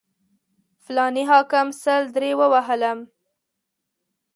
فلاني حاکم سل درې ووهلم.